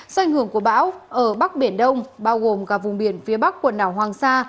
do ảnh hưởng của bão ở bắc biển đông bao gồm cả vùng biển phía bắc quần đảo hoàng sa